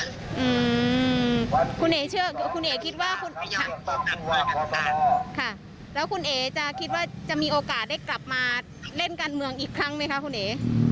อืมคุณเอ๋เชื่อคุณเอ๋คิดว่าคุณค่ะแล้วคุณเอ๋จะคิดว่าจะมีโอกาสได้กลับมาเล่นการเมืองอีกครั้งไหมคะคุณเอ๋